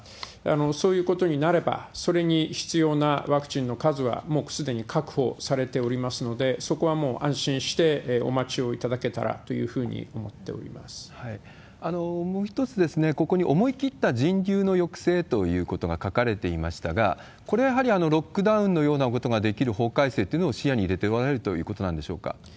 そういうことになれば、それに必要なワクチンの数はもうすでに確保されておりますので、そこはもう安心してお待ちをいただけたらというふうに思っておりもう一つ、ここに思い切った人流の抑制ということが書かれていましたが、これはやはりロックダウンのようなことができる法改正っていうのを視野に入れておられるということなんでしょうか？